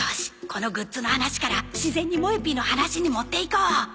このグッズの話から自然にもえ Ｐ の話に持っていこう